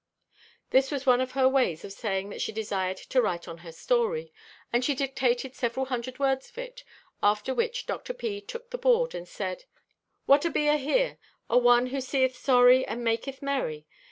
This was one of her ways of saying that she desired to write on her story, and she dictated several hundred words of it, after which Dr. P. took the board and she said: "What abe ahere? A one who seeth sorry and maketh merry!